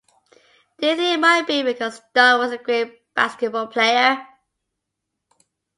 Do you think it might be because Don was a great basketball player?